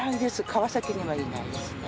川崎にはいないですね。